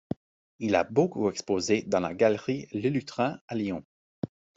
Il a beaucoup exposé dans la galerie Le Lutrin, à Lyon.